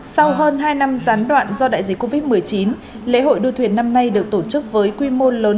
sau hơn hai năm gián đoạn do đại dịch covid một mươi chín lễ hội đua thuyền năm nay được tổ chức với quy mô lớn